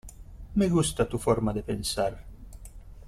Me gusta tu forma de pensar.